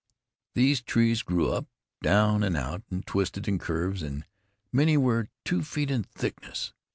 These trees grew up, down, and out, and twisted in curves, and many were two feet in thickness.